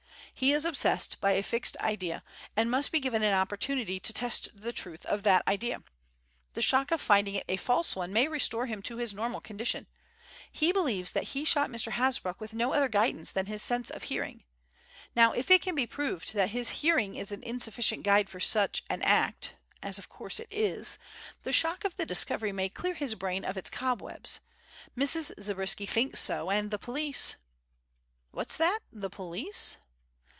He is obsessed by a fixed idea, and must be given an opportunity to test the truth of that idea. The shock of finding it a false one may restore him to his normal condition. He believes that he shot Mr. Hasbrouck with no other guidance than his sense of hearing. Now if it can be proved that his hearing is an insufficient guide for such an act (as of course it is) the shock of the discovery may clear his brain of its cobwebs. Mrs. Zabriskie thinks so, and the police " "What's that? The police?"